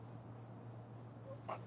あっ